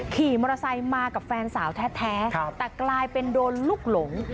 ขี่มอเตอร์ไซค์มากับแฟนสาวแท้แต่กลายเป็นโดนลูกหลง